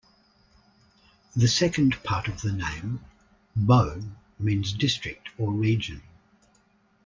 The second part of the name, "-bo", means district or region.